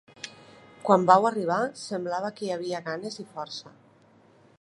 Quan vau arribar, semblava que hi havia ganes i força.